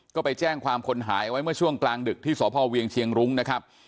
ก็ไปแจ้งความคนหายไว้เมื่อช่วงกลางดึกที่สพเวียงเชียงรุ้งนะครับ